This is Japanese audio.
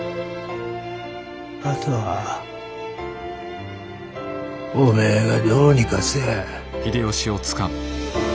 あとはおめえがどうにかせえ。